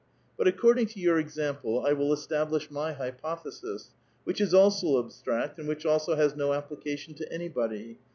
But according to your example I will establish my hypothesis, which is also abstract, and which also has no application to anybod}'.